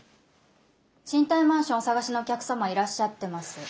賃貸マンションお探しのお客様いらっしゃってます。